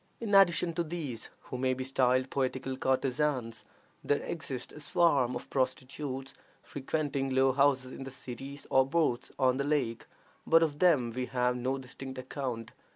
In addition to these, who may be styled poetical courtesans, there exists a swarm of prostitutes frequenting low houses in the cities or boats on the lake; but of them we have no distinct account.